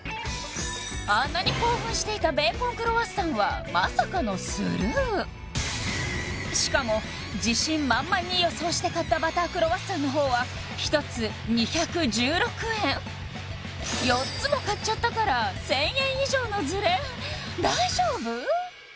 あんなに興奮していたベーコン・クロワッサンはまさかのスルーしかも自信満々に予想して買ったバタークロワッサンのほうは１つ２１６円４つも買っちゃったから１０００円以上のズレ大丈夫？